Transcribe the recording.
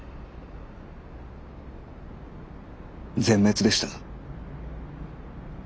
全滅でした。